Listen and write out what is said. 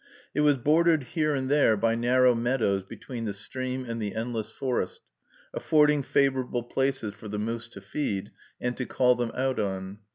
It was bordered here and there by narrow meadows between the stream and the endless forest, affording favorable places for the moose to feed, and to call them out on.